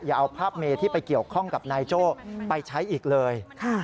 อย่าเอาภาพเมที่ไปเกี่ยวข้องกับนายโจ้ไปใช้อีกเลย